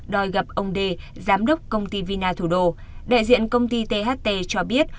đòi gặp ông d giám đốc công ty vina thủ đô đại diện công ty tht cho biết